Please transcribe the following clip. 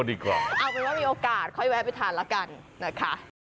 เอาเป็นว่ามีโอกาสค่อยแวะไปทานแล้วกันนะคะ